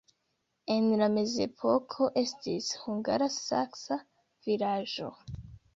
En la mezepoko estis hungara-saksa vilaĝo.